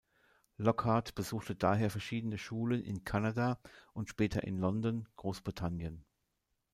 Lockhart besuchte daher verschiedene Schulen in Kanada und später in London, Großbritannien.